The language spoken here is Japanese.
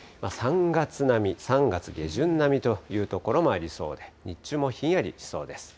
３月並み、３月下旬並みという所もありそうで、日中もひんやりしそうです。